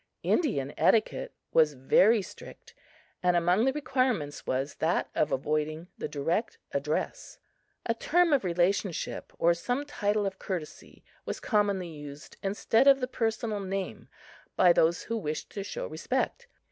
Indian etiquette was very strict, and among the requirements was that of avoiding the direct address. A term of relationship or some title of courtesy was commonly used instead of the personal name by those who wished to show respect.